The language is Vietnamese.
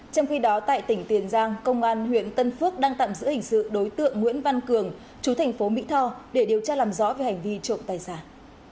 trong khi đó tại tỉnh tiền giang công an huyện tân phước đang tạm giữ hình sự đối tượng nguyễn văn cường chú thành phố mỹ tho để điều tra làm rõ về hành vi trộm tài sản